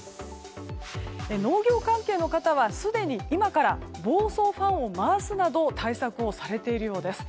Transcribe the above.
農業関係の方はすでに今から防霜ファンを回すなど対策をされているようです。